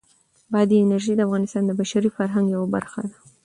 بادي انرژي د افغانستان د بشري فرهنګ یوه برخه ده.